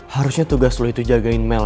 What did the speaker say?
harusnya tugas lo itu jagain mel